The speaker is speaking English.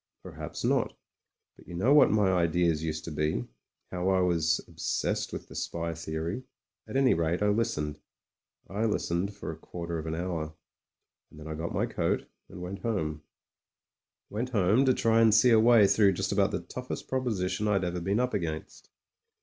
Perhaps not — but you know what my ideas used to be — how I was obsessed with the spy theory: at any rate, I listened. I listened for a quarter of an hour, and then I got my coat and went home — went home to try and see a way through just about the toughest proposition I'd ever been up against.